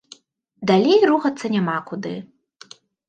Далей рухацца няма куды.